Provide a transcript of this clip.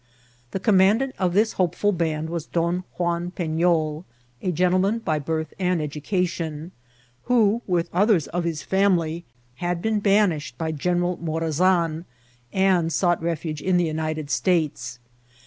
The commandant of this hopeful band was Bon Juan PeSol, a gentleman by birth and education, who, with others of his family, had been banished by General Morazan, and sought refuge in the United States.